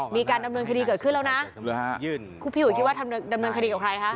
มีการดำเนินคดีเกิดขึ้นแล้วนะพี่อุ๋ยคิดว่าทำดำเนินคดีกับใครคะ